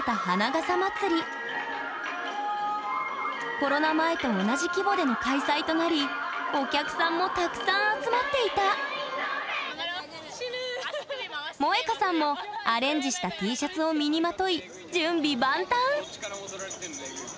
コロナ前と同じ規模での開催となりお客さんもたくさん集まっていた萌花さんもアレンジしたＴシャツを身にまとい準備万端！